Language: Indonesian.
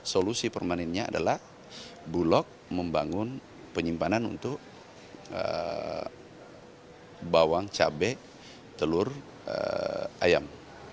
solusi permanennya adalah bulog membangun penyimpanan untuk bawang cabai telur ayam